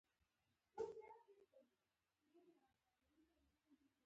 له بده مرغه هغه انقلابي زلمي او پېغلې اوس نشته.